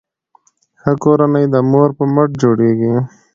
ښه کورنۍ د مور په مټ جوړیږي.